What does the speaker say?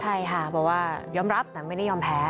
ใช่ค่ะบอกว่ายอมรับแต่ไม่ได้ยอมแพ้